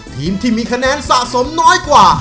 ทีมที่มีคะแนนสะสมน้อยกว่า